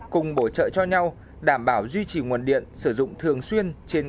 cùng bổ trợ cho nhau đảm bảo duy trì nguồn điện sử dụng thường xuyên